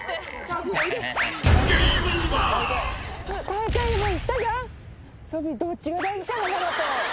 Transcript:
大会にも行ったじゃん。